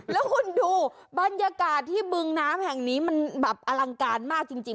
แล้วคุณดูบรรยากาศที่บึงน้ำแห่งนี้มันแบบอลังการมากจริง